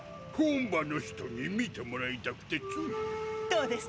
本場の人に見てもらいたくてつい。